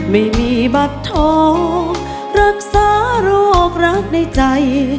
ไม่มีบัตรทองรักษาโรครักในใจ